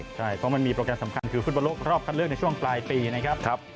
ใช่เพราะมันมีโปรแกรมสำคัญคือฟุตบอลโลกรอบคัดเลือกในช่วงปลายปีนะครับ